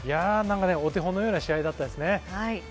お手本のような試合でしたね。